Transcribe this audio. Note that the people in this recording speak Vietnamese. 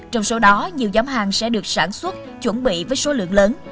trong số đó nhiều giám hàng sẽ được sản xuất chuẩn bị với số lượng lớn